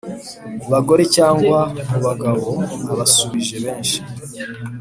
Bagore cyangwa mu bagabo abasubije benshi